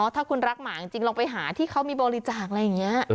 ถ้าคุณรักหมาจริงลองไปหาที่เขามีบริจาคอะไรอย่างนี้